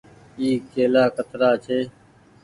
اي ڪيلآ ڪترآ ڇي۔